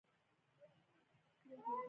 لږ به یې په دې موضوع نور هم تشریح کړو.